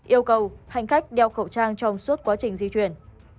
yêu cầu hành khách đeo khẩu trang trong suốt quá trình di chuyển